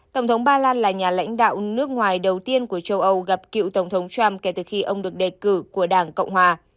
tổng thống ba lan là nhà lãnh đạo nước ngoài đầu tiên của châu âu gặp cựu tổng thống trump kể từ khi ông được đề cử của đảng cộng hòa